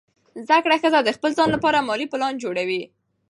زده کړه ښځه د خپل ځان لپاره مالي پلان جوړوي.